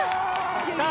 ・さあ